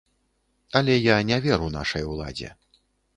Але я не веру нашай уладзе.